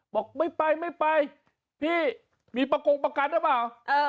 บอกไม่ไปไม่ไปพี่มีประกงประกันหรือเปล่า